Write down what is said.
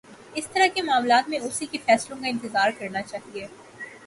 اِس طرح کے معاملات میں اُسی کے فیصلوں کا انتظار کرنا چاہیے